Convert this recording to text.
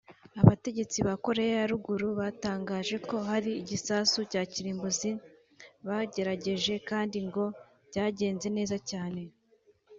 abategetsi ba Koreya ya Ruguru batangaje ko hari igisasu cya kirimbuzi bagerageje kandi ngo byagenze neza cyane